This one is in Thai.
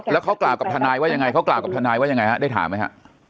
แล้วเขากล่าวกับทนายว่ายังไงเขากล่าวกับทนายว่ายังไงฮะได้ถามไหมฮะ